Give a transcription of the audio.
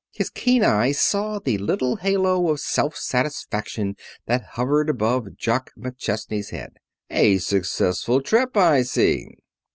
His keen eye saw the little halo of self satisfaction that hovered above Jock McChesney's head. "A successful trip, I see."